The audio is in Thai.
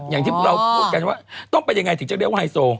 อย่างที่เราพูดกันว่าต้องเป็นยังไงถึงจะเรียกว่าไฮโซ